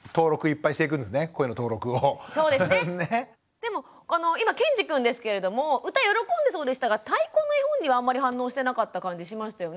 でも今けんじくんですけれども歌喜んでそうでしたが太鼓の絵本にはあんまり反応してなかった感じしましたよね